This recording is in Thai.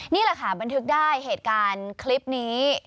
นี่แหละค่ะบันทึกได้เหตุการณ์คลิปนี้